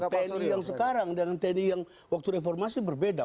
tni yang sekarang dengan tni yang waktu reformasi berbeda